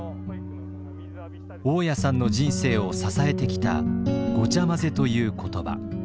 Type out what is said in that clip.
雄谷さんの人生を支えてきた「ごちゃまぜ」という言葉。